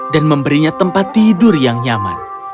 dan memberinya tempat tidur yang baik